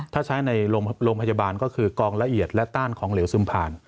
ถ้าใช้ในโรงพยาบาลก็คือกองละเอียดและต้านของเหลวซึมผ่าน